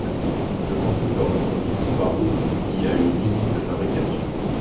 Le constructeur automobile Subaru y a une usine de fabrication.